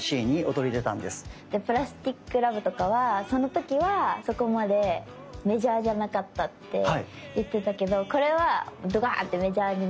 「プラスティック・ラブ」とかはその時はそこまでメジャーじゃなかったって言ってたけどこれはドカーンってメジャーになったんですか？